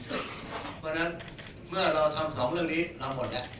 เพราะฉะนั้นเมื่อเราทำ๒เรื่องนี้เราหมดแล้ว